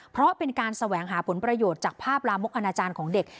เพราะเป็นการแสวงหาผลประโยชน์จากภาพลามกอนาจารย์ของเด็ก